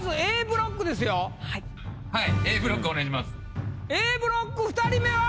Ａブロック２人目は。